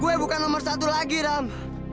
gue bukan nomor satu lagi ram